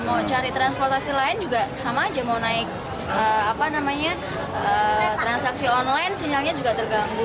mau cari transportasi lain juga sama aja mau naik transaksi online sinyalnya juga terganggu